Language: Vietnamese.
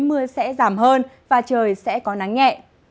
mưa sẽ giảm hơn và trời sẽ có nắng nhẹ